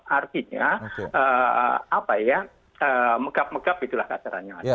artinya apa ya megap megap itulah kasarannya